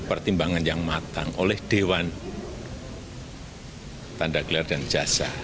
pertimbangan yang matang oleh dewan tanda gelar dan jasa